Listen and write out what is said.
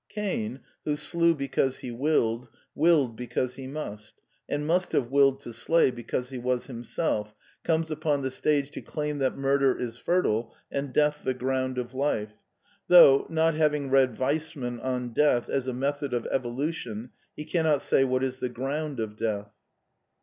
Cain, who sle^ because he willed, willed because he must, and must have willed to slay because he was himself, comes upon the stage to claim that mur der Is fertile, and death the ground of life, though, not having read Weismann on death as a method of evolution, he cannot say what is the ground of death.